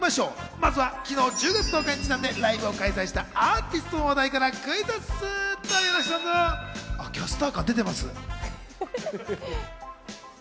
まずは昨日１０月１０日にちなんで、ライブを開催したアーティストの話題からクイズッス！